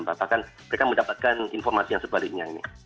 bahkan mereka mendapatkan informasi yang sebaliknya